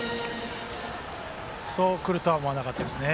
そうくるとは思わなかったですね。